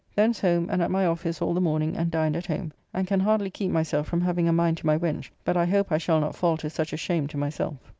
Thence home, and at my office all the morning, and dined at home, and can hardly keep myself from having a mind to my wench, but I hope I shall not fall to such a shame to myself.